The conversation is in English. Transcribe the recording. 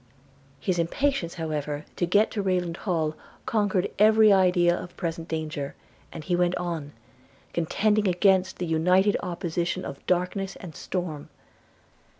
His impatience, however, to get to Rayland Hall, conquered every idea of present danger – and he went on, contending against the united opposition of darkness and storm.